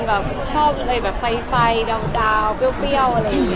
แบบชอบอะไรแบบไฟดาวเปรี้ยวอะไรอย่างนี้